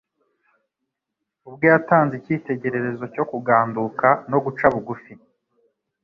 Ubwe yatanze icyitegererezo cyo kuganduka no guca bugufi